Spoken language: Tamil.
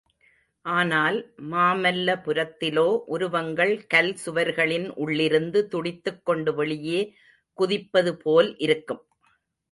ஆனால், மாமல்லபுரத்திலோ உருவங்கள் கல் சுவர்களின் உள்ளிருந்து துடித்துக் கொண்டு வெளியே குதிப்பது போல் இருக்கும்.